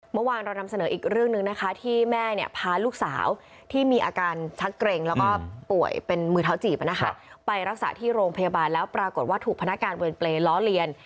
เมื่อวานเรานำเสนออีกเรื่องหนึ่งนะคะที่แม่เนี่ยพาลูกสาวที่มีอาการชักเกร็งแล้วก็ป่วยเป็นมือเท้าจีบไปรักษาที่โรงพยาบาลแล้วปรากฏว่าถูกพนักงานเวรเปรย์ล้อเลียน